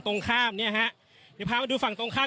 ตรงข้ามเนี้ยฮะมีพาเขาดูฝั่งตรงข้าม